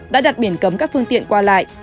đã đặt biển cấm các phương tiện qua lại